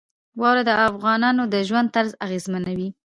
واوره د افغانانو د ژوند طرز اغېزمنوي.